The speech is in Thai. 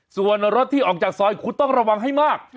ส่วนรถที่ออกจากซอยคุณต้องระวังให้มาก